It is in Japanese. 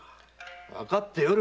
わかっておる。